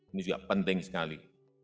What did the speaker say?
ini juga penting sekali